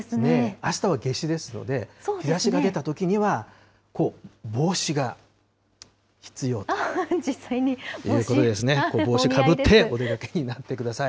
あしたは夏至ですので、日ざしが出たときには、実際に、こう、帽子かぶって、お出かけになってください。